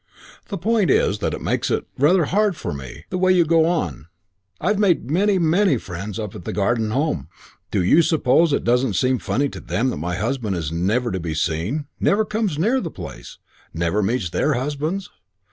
"The point is that it makes it rather hard for me, the way you go on. I've made many, many friends up at the Garden Home. Do you suppose it doesn't seem funny to them that my husband is never to be seen, never comes near the place, never meets their husbands?